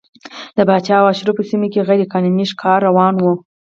د پاچا او اشرافو سیمو کې غیر قانوني ښکار روان و.